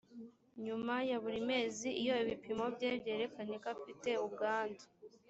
nyuma ya buri mezi iyo ibipimo bye byerekanye ko afite ubwandu